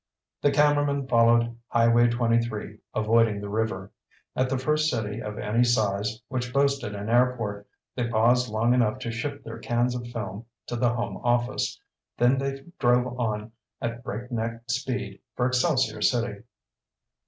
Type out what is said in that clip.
The cameramen followed Highway 23, avoiding the river. At the first city of any size which boasted an airport, they paused long enough to ship their cans of film to the home office. Then they drove on at break neck speed for Excelsior City.